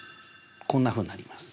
こんなふうになります。